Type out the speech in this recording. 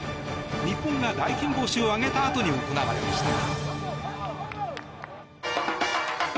日本が大金星を挙げたあとに行われました。